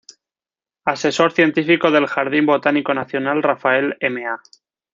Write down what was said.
Asesor científico del Jardín Botánico Nacional Rafael Ma.